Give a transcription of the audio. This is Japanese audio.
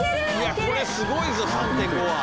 これすごいぞ３．５ｋｇは。